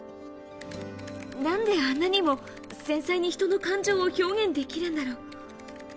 なんであんなにも繊細に人の感情を表現できるんだろう。